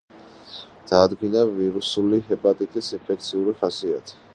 დაადგინა ვირუსული ჰეპატიტის ინფექციური ხასიათი.